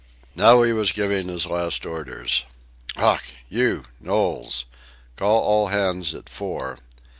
Now he was giving his last orders. "Ough! You, Knowles! Call all hands at four.